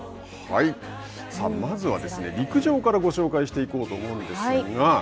まずは、陸上からご紹介していこうと思うんですが。